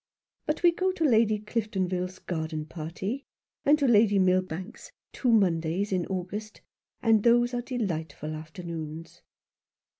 But we go to Lady Cliftonville's garden party, and to Lady Milbank's two Mondays in August, and those are delightful afternoons."